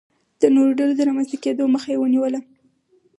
د نورو ډلو د رامنځته کېدو مخه یې ونیوله.